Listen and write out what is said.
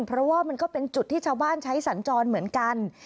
เพราะว่ามันก็เป็นจุดที่ชาวบ้านใช้สัญจรเหมือนกัน